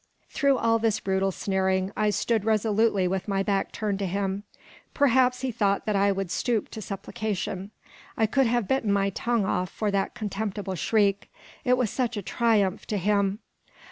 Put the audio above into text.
'" Through all this brutal sneering, I stood resolutely with my back turned to him. Perhaps he thought that I would stoop to supplication. I could have bitten my tongue off for that contemptible shriek; it was such a triumph to him.